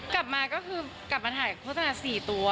กลับมาก็คือกลับมาถ่ายโฆษณา๔ตัว